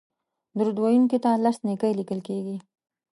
درود ویونکي ته لس نېکۍ لیکل کیږي